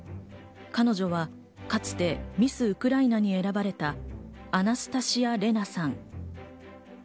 彼女はかつてミスウクライナに選ばれたアナスタシア・レナさん。